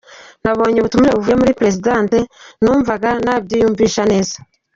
Nabonye ubutumire buvuye muri perezidansi, numvaga ntabyiyumvisha neza.